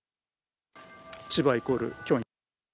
千葉イコールキョン。